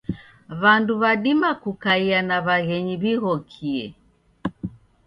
Wandu wadima kukaia na waghenyi wighokie.